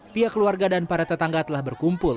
pihak keluarga dan para tetangga telah berkumpul